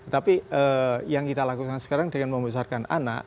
tapi yang kita lakukan sekarang dengan membesarkan anak